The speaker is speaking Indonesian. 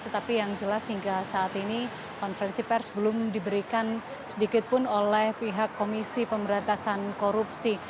tetapi yang jelas hingga saat ini konferensi pers belum diberikan sedikitpun oleh pihak komisi pemberantasan korupsi